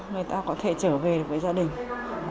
người ta có thể trở về với gia đình